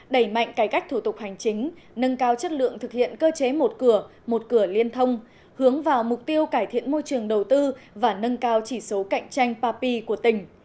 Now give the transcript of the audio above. đẩy mạnh cải cách thủ tục hành chính nâng cao chất lượng thực hiện cơ chế một cửa một cửa liên thông hướng vào mục tiêu cải thiện môi trường đầu tư và nâng cao chỉ số cạnh tranh papi của tỉnh